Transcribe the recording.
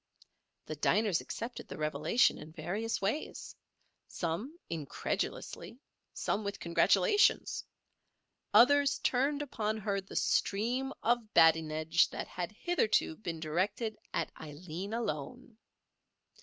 The diners accepted the revelation in various ways—some incredulously, some with congratulations; others turned upon her the stream of badinage that had hitherto been directed at Aileen alone.